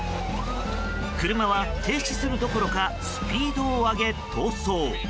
車は停止するどころかスピードを上げ、逃走。